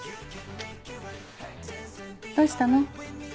どうしたの？